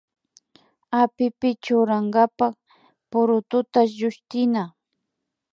Apipi churankapa purututa llushtina